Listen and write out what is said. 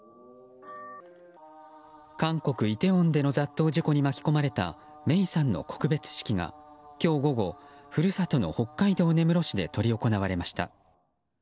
韓国イテウォンでの雑踏事故に巻き込まれた芽生さんの告別式が今日午後、故郷の北海道根室市で執り行われました。